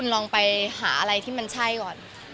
ลองไปหาอะไรที่มันใช่ก่อน